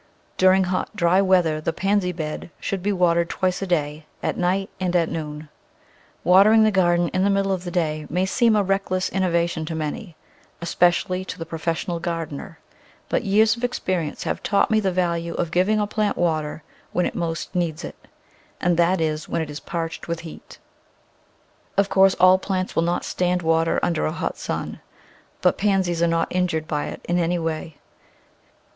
During hot, dry weather the Pansy bed should be watered twice a day — at night and at noon. Water ing the garden in the middle of the day may seem a reckless innovation to many, especially to the profes sional gardener, but years of experience have taught me the value of giving a plant water when it most needs it — and that is when it is parched with heat. Of course all plants will not stand water under a hot sun, but Pansies are not injured by it in any way.